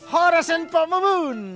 hora semoga memun